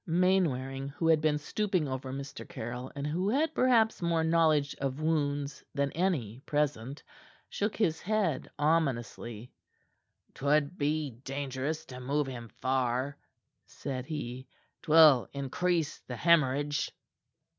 Mainwaring, who had been stooping over Mr. Caryll, and who had perhaps more knowledge of wounds than any present, shook his head ominously. "'Twould be dangerous to move him far," said he. "'Twill increase the hemorrhage."